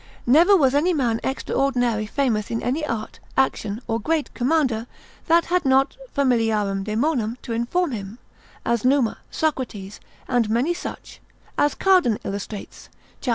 Never was any man extraordinary famous in any art, action, or great commander, that had not familiarem daemonem to inform him, as Numa, Socrates, and many such, as Cardan illustrates, cap.